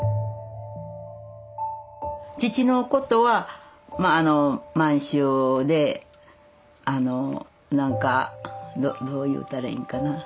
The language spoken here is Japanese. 父のことは満州であのなんかどう言うたらいいんかな。